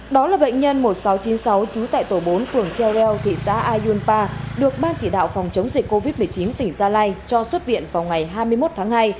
đó là bệnh nhân một nghìn sáu trăm chín mươi sáu trú tại tổ bốn phường treo reo thị xã ayunpa được ban chỉ đạo phòng chống dịch covid một mươi chín tỉnh gia lai cho xuất viện vào ngày hai mươi một tháng hai